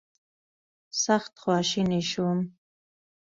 سخت خواشینی شوم.